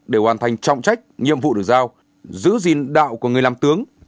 để hoàn thành trọng trách nhiệm vụ được giao giữ gìn đạo của người làm tướng